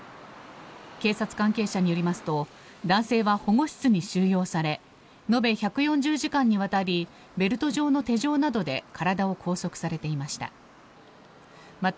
警察関係者によりますと男性は保護室に収容され延べ１４０時間にわたりベルト状の手錠などで体を拘束されていました。